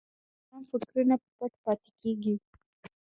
ارام فکرونه پټ پاتې کېږي.